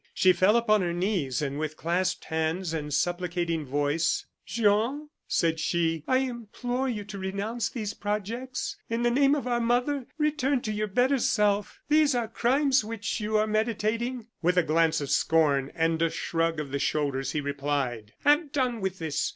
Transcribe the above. She fell upon her knees, and with clasped hands and supplicating voice: "Jean," said she, "I implore you to renounce these projects. In the name of our mother, return to your better self. These are crimes which you are meditating!" With a glance of scorn and a shrug of the shoulders, he replied: "Have done with this.